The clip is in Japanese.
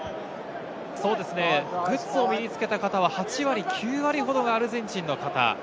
グッズを身につけた方は、８割、９割ほどがアルゼンチンの方。